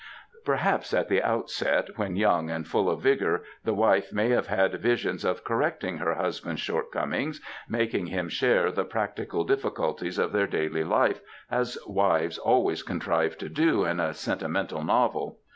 Perhaps at the outset, when young and full of vigour, the wife may have had visions of correcting her husband^s shortcomings, making him share the practical difficulties of their daily life, as wives always contrive to do in a senti mental novel.